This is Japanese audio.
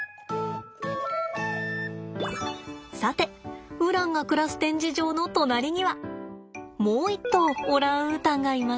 さてウランが暮らす展示場の隣にはもう一頭オランウータンがいます。